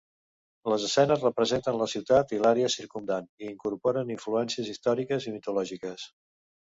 Les escenes representen la ciutat i l'àrea circumdant, i incorporen influències històriques i mitològiques.